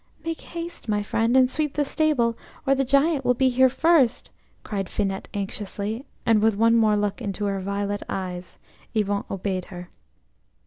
"Make haste, my friend, and sweep the stable, or the Giant will be here first," cried Finette anxiously; and with one more look into her violet eyes, Yvon obeyed her.